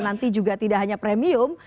nanti juga tidak hanya premium